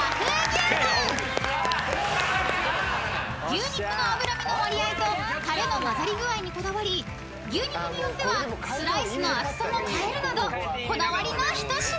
［牛肉の脂身の割合とたれの混ざり具合にこだわり牛肉によってはスライスの厚さも変えるなどこだわりの一品］